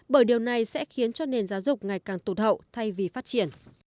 bởi điều này sẽ khiến cho nền giáo dục ngày càng tụt hậu thay vì phát triển